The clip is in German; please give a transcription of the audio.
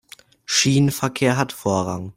Schienenverkehr hat Vorrang.